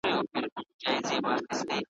ارمغان د فریشتو ماته را غلي